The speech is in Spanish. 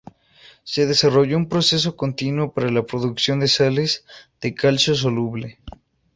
Se desarrolló un proceso continuo para la producción de sales de calcio soluble.